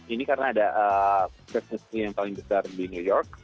ini karena ada bisnis yang paling besar di new york